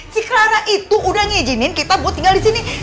si clara itu udah ngejinin kita buat tinggal disini